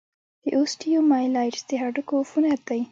د اوسټیومایلايټس د هډوکو عفونت دی.